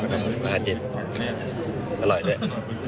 อาหารเย็นอร่อยด้วย